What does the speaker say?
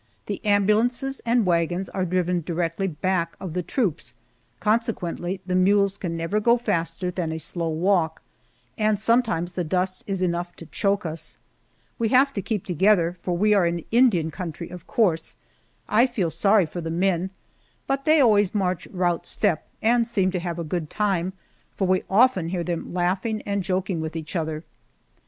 The ambulances and wagons are driven directly back of the troops, consequently the mules can never go faster than a slow walk, and sometimes the dust is enough to choke us. We have to keep together, for we are in an Indian country, of course. I feel sorry for the men, but they always march "rout" step and seem to have a good time, for we often hear them laughing and joking with each other.